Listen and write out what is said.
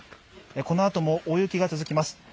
このあとも大雪が続きます。